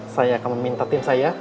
saya akan meminta tim saya